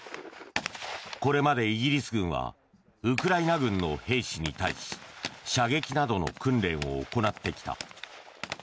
これまでイギリス軍はウクライナ軍の兵士に対し射撃などの訓練を行ってきた。